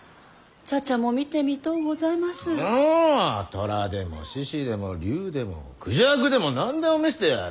虎でも獅子でも竜でも孔雀でも何でも見せてやる。